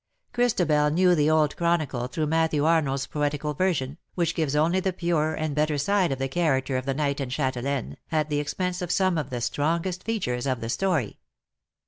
Christabel knew the old chronicle through Matthew Arnold'^s poetical version, which gives only the purer and better side of the character of the Knight and Chatelaine, at the expense of some of the strongest features of the story.